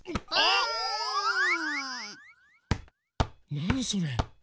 なにそれ？